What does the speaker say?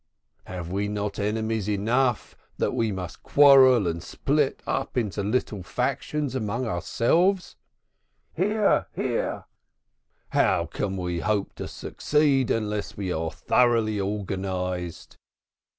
Have we not enemies enough that we must quarrel and split up into little factions among ourselves? (Hear, hear.) How can we hope to succeed unless we are thoroughly organized?